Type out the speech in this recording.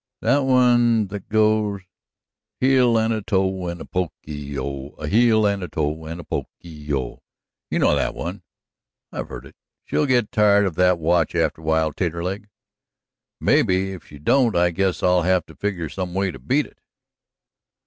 "It's that one that goes: A heel an' a toe and a po'ky o, A heel an' a toe and a po'ky o you know that one." "I've heard it. She'll get tired of that watch after a while, Taterleg." "Maybe. If she don't, I guess I'll have to figger some way to beat it."